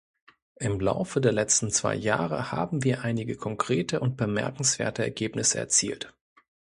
Im Laufe der letzten zwei Jahre haben wir einige konkrete und bemerkenswerte Ergebnisse erzielt.